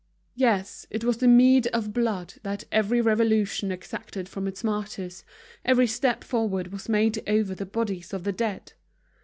Yes, it was the meed of blood that every revolution exacted from its martyrs, every step forward was made over the bodies of the dead.